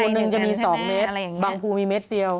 หนึ่งจะมี๒เมตรบางภูมีเมตรเดียว